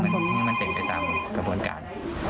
ให้มันเป็นไปตามกระบวนการ